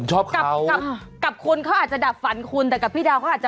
อ๋อเหรอใช่